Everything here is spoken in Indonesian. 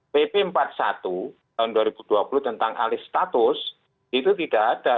pp empat puluh satu tahun dua ribu dua puluh tentang alih status itu tidak ada